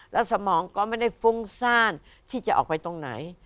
แล้วสมองก็ไม่ได้ฟุ้งซ่านที่จะออกไปตรงไหน